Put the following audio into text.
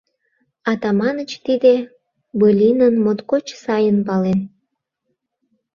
Атаманыч тиде былинын моткоч сайын пален.